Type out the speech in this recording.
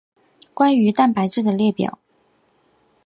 关于蛋白质的列表。